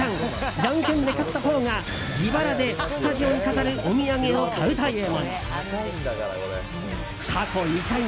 じゃんけんで勝ったほうが自腹でスタジオに飾るお土産を買うというもの。